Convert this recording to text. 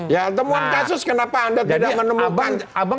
ya temuan kasus kenapa anda tidak menemukan